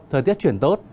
thời tiết chuyển tốt